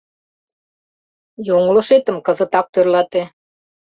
Йоҥылышетым кызытак тӧрлате.